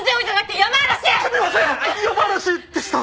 山嵐でした！